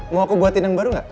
mau aku buatin yang baru nggak